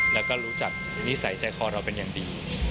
แล้วก็รู้จักนิสัยใจคอเราเป็นอย่างดี